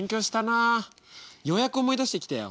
ようやく思い出してきたよ。